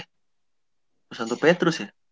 eh santo petrus ya